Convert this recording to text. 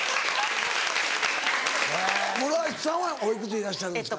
諸橋さんはお幾つでいらっしゃるんですか？